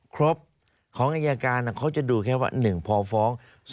ครบของอายการเขาจะดูแค่ว่า๑พอฟ้อง